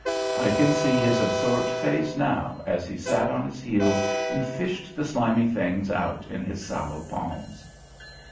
I can see his absorbed face now as he sat on his heels and fished the slimy things out in his sallow palms.